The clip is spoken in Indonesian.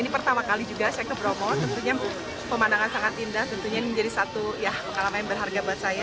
dan ini pertama kali juga saya ke bromo tentunya pemandangan sangat indah tentunya ini menjadi satu ya pengalaman yang berharga buat saya